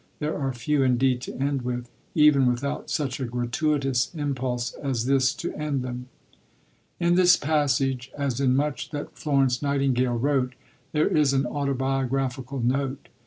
There are few indeed to end with even without such a gratuitous impulse as this to end them." In this passage, as in much that Florence Nightingale wrote, there is an autobiographical note.